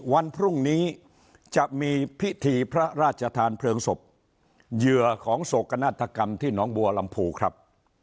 วันพรุ่งนี้จะมีพิธีพระราชทานเพลิงศพเหยื่อของโศกนาฏกรรมที่หนองบัวลำพูครับ